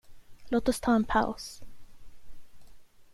Låt oss ta en paus.